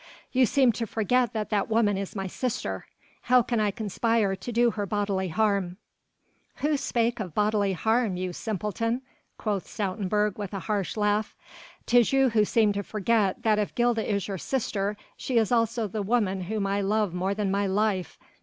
"You seem to forget that that woman is my sister. How can I conspire to do her bodily harm?" "Who spake of bodily harm, you simpleton?" quoth Stoutenburg with a harsh laugh, "'tis you who seem to forget that if Gilda is your sister she is also the woman whom I love more than my life